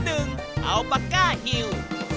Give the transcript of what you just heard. เอาปากก้าฮิว